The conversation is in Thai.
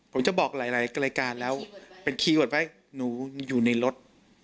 ผมจะบอกหลายรายการแล้วเป็นคีย์เวิร์ดไว้หนูอยู่ในรถ